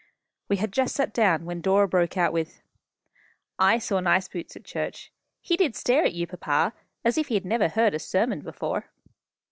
We had just sat down, when Dora broke out with "I saw Niceboots at church. He did stare at you, papa, as if he had never heard a sermon before."